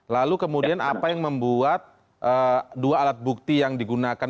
lalu kemudian apa yang membuat dua alat bukti yang digunakan